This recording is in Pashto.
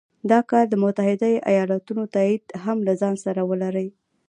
دا کار د متحدو ایالتونو تایید هم له ځانه سره ولري.